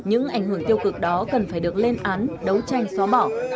những ảnh hưởng tiêu cực đó cần phải được lên án đấu tranh xóa bỏ